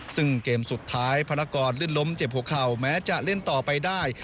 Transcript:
ซึ่งเกมสุดท้ายพลากรลื่นล้มเจ็บหัวเข่าแม้จะเล่นต่อไปได้